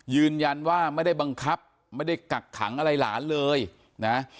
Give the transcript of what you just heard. ยืนยันว่าไม่ได้บังคับไม่ได้กักขังอะไรหลานเลยนะ